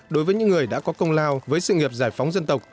đối với những người đã có công lao với sự nghiệp giải phóng dân tộc